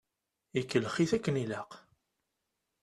Ikellex-it akken i ilaq.